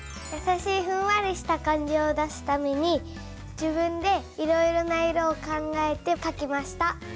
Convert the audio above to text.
やさしいふんわりした感じを出すために自分でいろいろな色を考えてかきました。